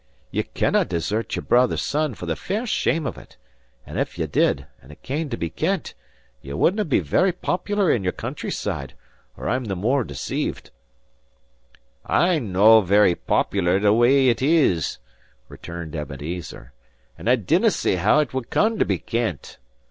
Ye cannae desert your brother's son for the fair shame of it; and if ye did, and it came to be kennt, ye wouldnae be very popular in your country side, or I'm the more deceived." "I'm no just very popular the way it is," returned Ebenezer; "and I dinnae see how it would come to be kennt.